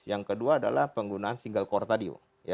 yang kedua adalah penggunaan single core tadi